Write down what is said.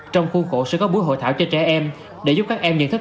trong khu khổ sẽ có buổi hội thảo cho trẻ em để giúp các em nhận thức